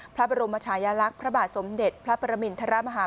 พระบรมชายลักษณ์พระบาทสมเด็จพระปรมินทรมาฮา